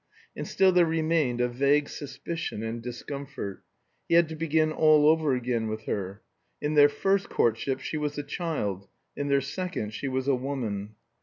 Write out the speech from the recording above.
And still there remained a vague suspicion and discomfort. He had to begin all over again with her. In their first courtship she was a child; in their second she was a woman.